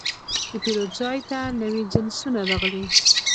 د پیرود ځای ته نوي جنسونه راغلي.